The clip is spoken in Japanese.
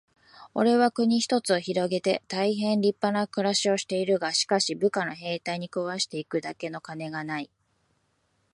「おれは国一つを平げて大へん立派な暮しをしている。がしかし、部下の兵隊に食わして行くだけの金がない。」